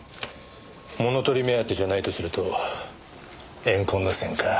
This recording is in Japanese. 物盗り目当てじゃないとすると怨恨の線か。